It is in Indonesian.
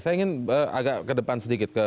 saya ingin agak ke depan sedikit